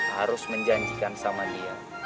harus menjanjikan sama dia